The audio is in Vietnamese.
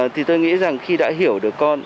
thì tôi nghĩ rằng khi đã hiểu được con